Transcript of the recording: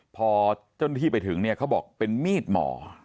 พอเจ้าหน้าที่ไปถึงเนี่ยเขาบอกเป็นมีดหมอ